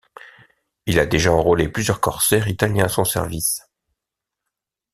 Il a déjà enrôlé plusieurs corsaires italiens à son service.